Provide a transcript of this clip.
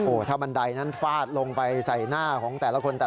โอ้ถ้าบันไดนั้นฟาดลงไปใส่หน้าของแต่ละคน